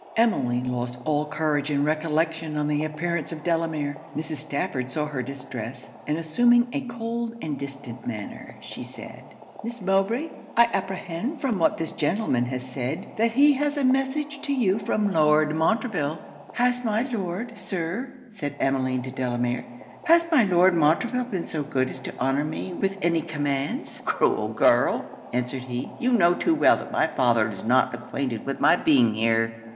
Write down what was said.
Emmeline had lost all courage and recollection on the appearance of Delamere. Mrs. Stafford saw her distress; and assuming a cold and distant manner, she said 'Miss Mowbray, I apprehend from what this gentleman has said, that he has a message to you from Lord Montreville.' 'Has my Lord, Sir,' said Emmeline to Delamere, 'has my Lord Montreville been so good as to honour me with any commands?' 'Cruel girl!' answered he; 'you know too well that my father is not acquainted with my being here.'